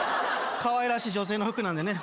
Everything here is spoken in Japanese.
かわいらしい女性の服なんでね